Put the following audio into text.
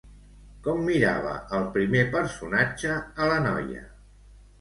Com mirava el primer personatge a la noia?